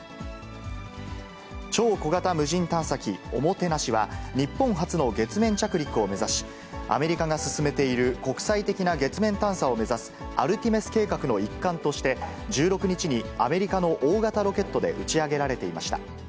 超小型無人探査機オモテナシは、日本初の月面着陸を目指し、アメリカが進めている国際的な月面探査を目指すアルテミス計画の一環として、１６日にアメリカの大型ロケットで打ち上げられていました。